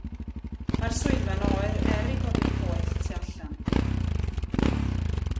Mae'r swyddfa'n oer er 'i bod hi'n boeth tu allan.